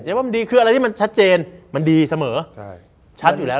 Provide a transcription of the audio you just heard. ว่ามันดีคืออะไรที่มันชัดเจนมันดีเสมอใช่ชัดอยู่แล้ว